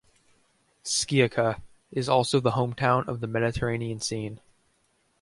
Sciacca is also the hometown of the Mediterranean Scene.